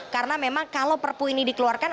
karena memang kalau perpu ini dikeluarkan